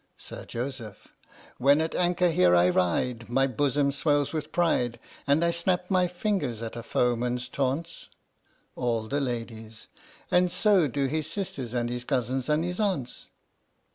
Sir Joseph. When at anchor here I ride My bosom swells with pride, And I snap my fingers at a foeman's taunts! All the Ladies. And so do his sisters, and his cousins, and his aunts